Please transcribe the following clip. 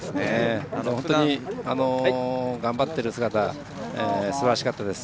本当に頑張っている姿すばらしかったです。